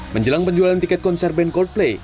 menjelang penjualan tiket konser band coldplay